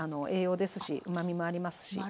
栄養ですしうまみもありますし。